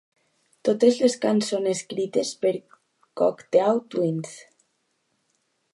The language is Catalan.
Totes les cançons escrites per Cocteau Twins.